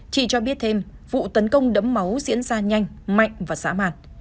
chị cho biết thêm vụ tấn công đấm máu diễn ra nhanh mạnh và xã màn